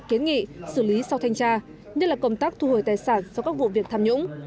kiến nghị xử lý sau thanh tra như là công tác thu hồi tài sản sau các vụ việc tham nhũng